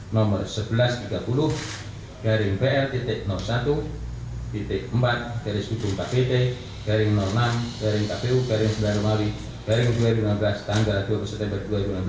nomor seribu satu ratus tiga puluh bl satu empat kbd enam kpu sembilan mw dua ribu lima belas tanggal dua puluh september dua ribu sembilan belas